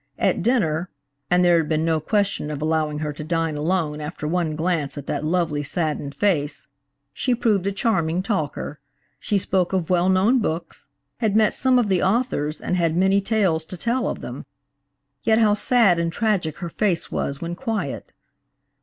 At dinner (and there had been no question of allowing her to dine alone after one glance at that lovely, saddened face) she proved a charming talker. She spoke of well known books, had met some of the authors and had many tales to tell of them; yet how sad and tragic her face was when quiet.